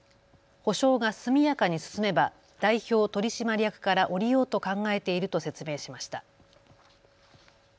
補償が速やかに進めば代表取締役から降りようと考えていると説明しました。